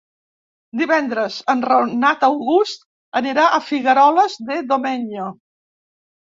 Divendres en Renat August anirà a Figueroles de Domenyo.